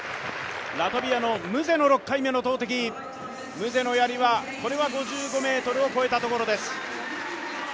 ラトビアのムゼの６回目の投てき、これは５５ｍを越えたところです。